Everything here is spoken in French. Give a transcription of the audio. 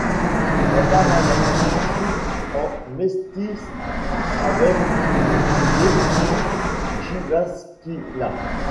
En parallèle, il joue en Mestis avec le D Team Jyväskylä.